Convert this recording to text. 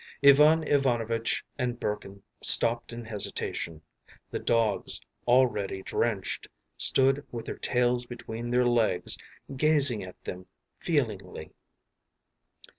Ivan Ivanovitch and Burkin stopped in hesitation; the dogs, already drenched, stood with their tails between their legs gazing at them feelingly.